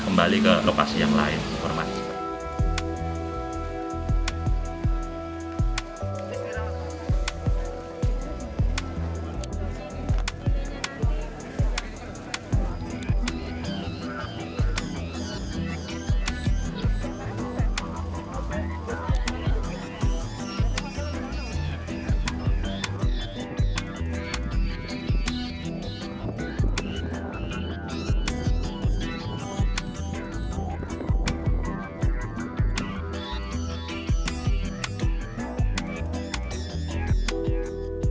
kami berdua kami berdua kita berdua kami berdua kita berdua